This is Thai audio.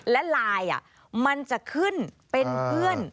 และไลน์มันจะขึ้นเป็นเพื่อน